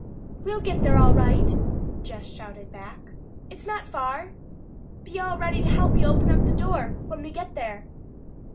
"We'll get there, all right," Jess shouted back. "It's not far. Be all ready to help me open the door when we get there!"